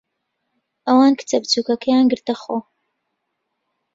ئەوان کچە بچووکەکەیان گرتەخۆ.